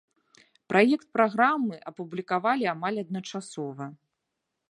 Праект праграмы апублікавалі амаль адначасова.